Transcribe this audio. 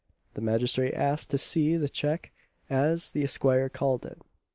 The magistrate asked to see the cheque, as the Esquire called it.